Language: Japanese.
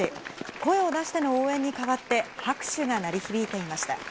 声を出しての応援に代わって、拍手が鳴り響いていました。